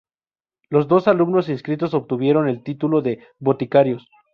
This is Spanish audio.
Los dos alumnos inscritos obtuvieron el título de boticarios.